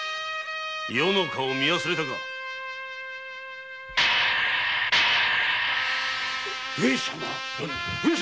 余の顔を見忘れたか上様